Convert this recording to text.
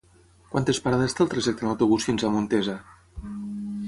Quantes parades té el trajecte en autobús fins a Montesa?